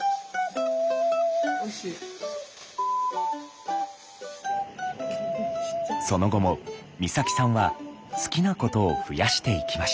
その後も光沙季さんは好きなことを増やしていきました。